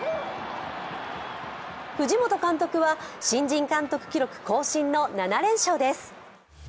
藤本監督は新人監督記録更新の７連勝です。